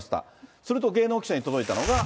すると、芸能記者に届いたのが。